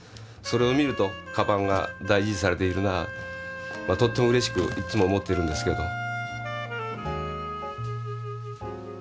それを見ると鞄が大事にされているなととってもうれしくいつも思ってるんですけど。